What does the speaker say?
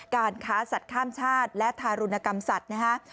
การค้าสัตว์ข้ามชาติและทารุณกรรมสัตว์นะฮะ